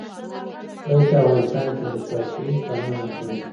کله چې افغانستان کې ولسواکي وي قانون حاکم وي.